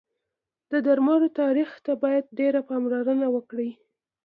د درملو تاریخ ته باید ډېر پاملرنه وکړی